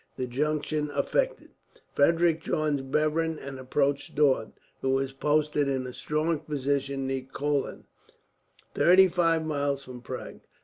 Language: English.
The junction effected, Frederick joined Bevern and approached Daun, who was posted in a strong position near Kolin, thirty five miles from Prague.